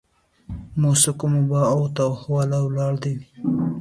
موثقو منابعو او حوالو ولاړ وي.